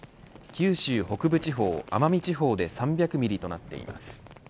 九州北部地方・奄美地方で３００ミリとなっています。